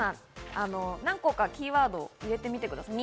何個がキーワードを入れてみてください。